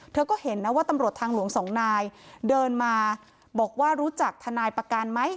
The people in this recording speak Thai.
เธอก็เห็นนะว่าตำรวจทางหลวงสองนายเดินมาบอกว่ารู้จักทนายประกันไหม